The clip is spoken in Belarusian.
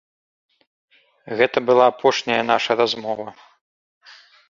Гэта была апошняя наша размова.